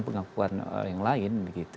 pengakuan yang lain